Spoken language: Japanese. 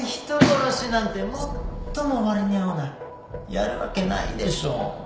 やるわけないでしょ。